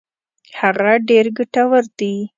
هغه ډېر ګټور دي.